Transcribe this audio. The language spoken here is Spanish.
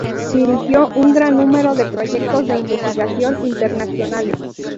Dirigió un gran número de proyectos de investigación internacionales.